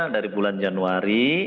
dari bulan januari